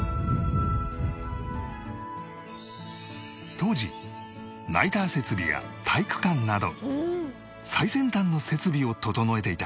当時ナイター設備や体育館など最先端の設備を整えていた